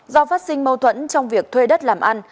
do phát sinh mâu thuẫn trong việc thuê đất làm ăn